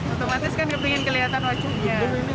otomatis kan ingin kelihatan wajahnya